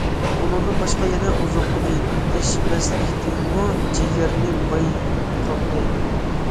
ئۇنىڭدىن باشقا، يەنە ئوزۇقلۇق يېتىشمەسلىكتىنمۇ جىگەرنى ماي قاپلايدۇ.